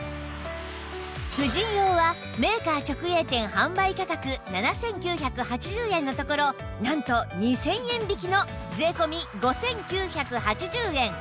婦人用はメーカー直営店販売価格７９８０円のところなんと２０００円引きの税込５９８０円